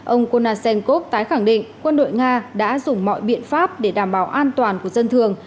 ông konashenkov tái khẳng định quân đội nga đã dùng mọi biện pháp để đảm bảo an toàn của dân thường